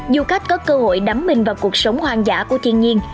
du khách có cơ hội đắm mình vào cuộc sống hoang dã của thiên nhiên